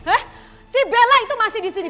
eh si bella itu masih di sini